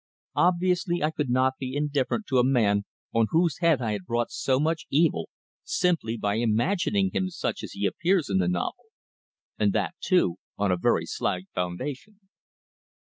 Obviously I could not be indifferent to a man on whose head I had brought so much evil simply by imagining him such as he appears in the novel and that, too, on a very slight foundation.